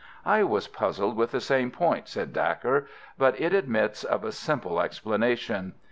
"I was puzzled with the same point," said Dacre, "but it admits of a simple explanation.